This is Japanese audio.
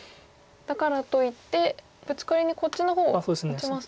だからといってブツカリにこっちの方打ちますと。